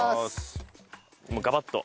もうガバッと。